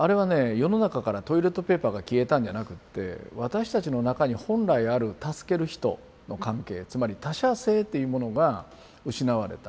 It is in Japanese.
世の中からトイレットペーパーが消えたんじゃなくって私たちの中に本来ある助ける人の関係つまり「他者性」というものが失われた。